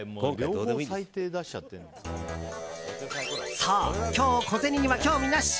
そう、今日小銭は興味なし。